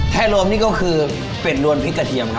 ถ้ารวมนี่ก็คือเป็ดลวนพริกกระเทียมครับ